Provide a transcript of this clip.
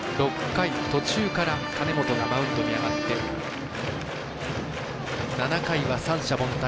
６回途中から金本がマウンドに上がって７回は三者凡退。